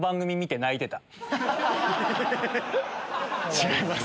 違います。